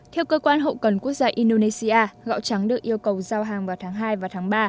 theo cơ quan hậu cần quốc gia indonesia gạo trắng được yêu cầu giao hàng vào tháng hai và tháng ba